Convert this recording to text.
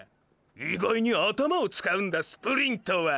意外に頭を使うんだスプリントは！！